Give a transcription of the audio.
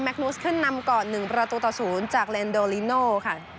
แมกนุสขึ้นนำก่อน๑ประตูต่อศูนย์จากเรนโดลิโนค่ะ